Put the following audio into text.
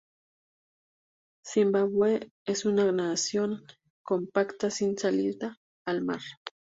Zimbabue es una nación compacta sin salida al mar.